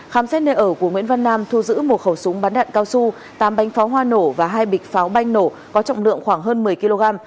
khám xét nơi ở của nguyễn văn nam thu giữ một khẩu súng bắn đạn cao su tám bánh pháo hoa nổ và hai bịch pháo banh nổ có trọng lượng khoảng hơn một mươi kg